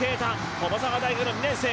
駒澤大学の２年生。